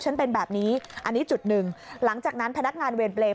ฉันเป็นแบบนี้อันนี้หลังจากนั้นพนักงานเวนเปลย